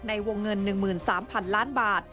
ในวงเงิน๑๓๐๐๐ล้านบาท